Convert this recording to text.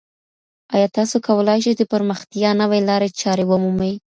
ایا تاسو کولای شئ د پرمختیا نوې لارې چارې ومومئ؟